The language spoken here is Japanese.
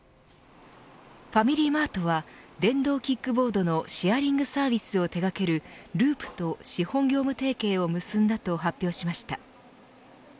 ファミリーマートは電動キックボードのシェアリングサービスを手掛けるＬｕｕｐと資本業務提携を結んだと発表しました。